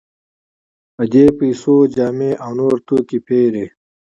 په دې پیسو جامې او نور توکي پېري.